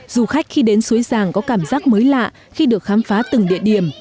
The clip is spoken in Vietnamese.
du khách khi đến suối giàng có cảm giác mới lạ khi được khám phá từng địa điểm